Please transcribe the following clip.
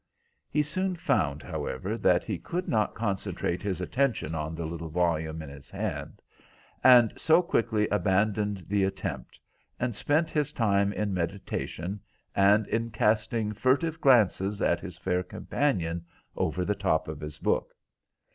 He soon found, however, that he could not concentrate his attention on the little volume in his hand, and so quickly abandoned the attempt, and spent his time in meditation and in casting furtive glances at his fair companion over the top of his book.